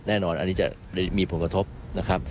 แน่นอนอันนี้จะมีผลกระทบนะครับ